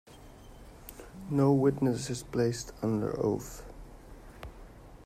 No witness is placed under oath.